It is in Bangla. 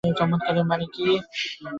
চমৎকারের মানে কী?